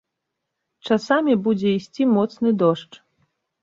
Часамі будзе ісці моцны дождж.